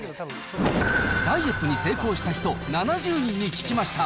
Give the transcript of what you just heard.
ダイエットに成功した人７０人に聞きました。